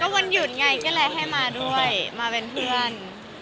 วันหยุดไงก็เลยให้มาด้วยมาเป็นเพื่อน